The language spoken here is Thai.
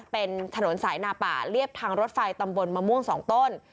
เป็นถนนสายนาป่าเรียบทางรถไฟตำบลมะม่วง๒ต้น